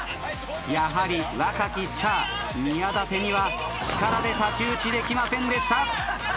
やはり若きスター宮舘には力で太刀打ちできませんでした。